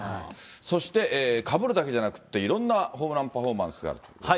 そしてかぶるだけじゃなくていろんなホームランパフォーマンスがあるということで。